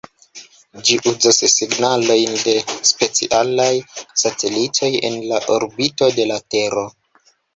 Ĝi uzas signalojn de specialaj satelitoj en la orbito de la tero.